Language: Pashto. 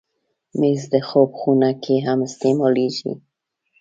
مېز د خوب خونه کې هم استعمالېږي.